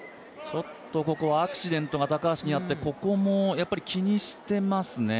ここはアクシデントが高橋にあってここも気にしてますね。